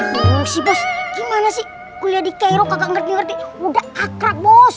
makasih bos gimana sih kuliah di keiro gak ngerti ngerti udah akrab bos